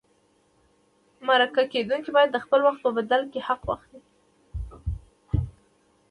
مرکه کېدونکی باید د خپل وخت په بدل کې حق واخلي.